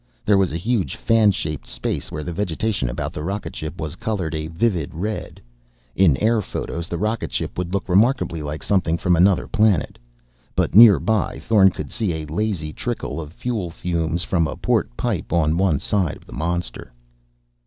There was a huge, fan shaped space where the vegetation about the rocket ship was colored a vivid red. In air photos, the rocket ship would look remarkably like something from another planet. But nearby, Thorn could see a lazy trickle of fuel fumes from a port pipe on one side of the monster....